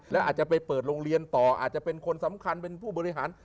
แล้วอาจจะไปเปิดโรงเรียนต่ออาจจะเป็นคนสำคัญเป็นผู้บริหาร